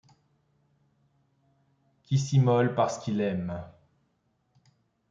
Qui s’immole parce qu’il aime !